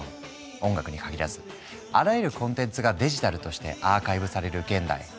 音楽に限らずあらゆるコンテンツがデジタルとしてアーカイブされる現代